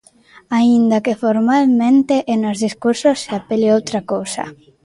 Aínda que formalmente e nos discursos se apele a outra cousa.